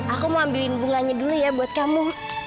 aku mau ambilin bunganya dulu ya buat kamu